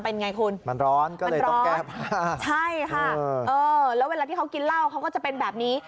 เป็นไงคุณมันร้อนก็เลยร้อนใช่ค่ะเออแล้วเวลาที่เขากินเหล้าเขาก็จะเป็นแบบนี้